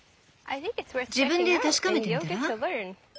自分で確かめてみたら？